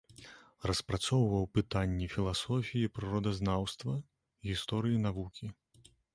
Распрацоўваў пытанні філасофіі прыродазнаўства, гісторыі навукі.